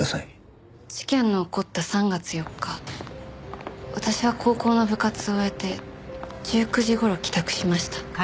事件の起こった３月４日私は高校の部活を終えて１９時頃帰宅しました。